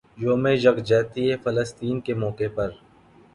یوم یکجہتی فلسطین کے موقع پر